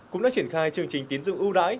cũng đã triển khai chương trình tiến dụng ưu đãi